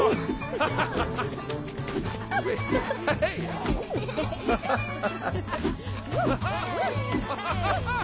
ハハハハハッ。